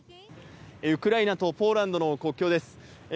ウクライナとポーランドの国境です。